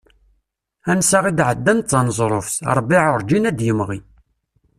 Ansa i d-ɛeddan d taneẓruft, rrbiɛ urǧin ad d-yemɣi.